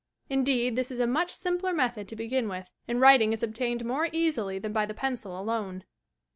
Indeed, this is a much simpler method to begin with, and writing is obtained more easily than by the pencil alone.